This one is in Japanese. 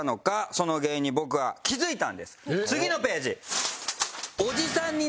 次のページ。